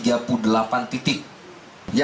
yang bersangkutan maksudnya